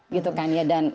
bergerak di atas